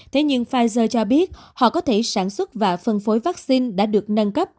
thế nhưng pfizer cho biết họ có thể sản xuất và phân phối vaccine đã được nâng cấp